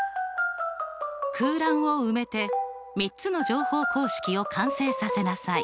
空欄を埋めて３つの乗法公式を完成させなさい。